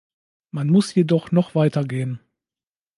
Man muss jedoch noch weiter gehen.